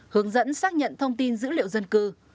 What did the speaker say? hướng dẫn xác nhận thông tin dữ liệu dân cư